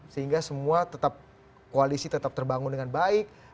sehingga semua tetap koalisi tetap terbangun dengan baik